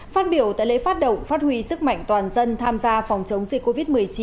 phát biểu tại lễ phát động phát huy sức mạnh toàn dân tham gia phòng chống dịch covid một mươi chín